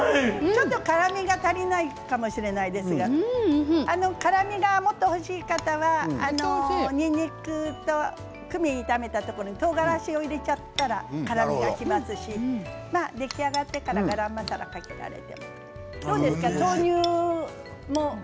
ちょっと辛みが足りないかも、しれないですが辛みがもっと欲しい方はにんにくとクミンを炒めたところにとうがらしを入れちゃったらから辛みがきますし出来上がってからガラムマサラでもいいですね。